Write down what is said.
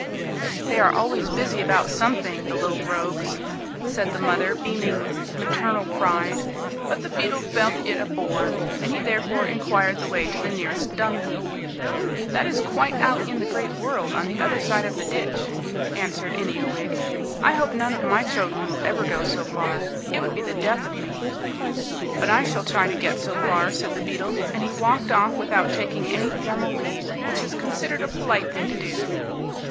"They are always busy about something, the little rogues," said the mother, beaming with maternal pride; but the beetle felt it a bore, and he therefore inquired the way to the nearest dung heap. "That is quite out in the great world, on the other side of the ditch," answered an earwig, "I hope none of my children will ever go so far, it would be the death of me." "But I shall try to get so far," said the beetle, and he walked off without taking any formal leave, which is considered a polite thing to do.